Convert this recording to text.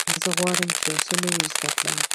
زه غواړم چې یو څه نوی زده کړم.